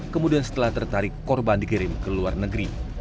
kemudian setelah tertarik korban dikirim ke luar negeri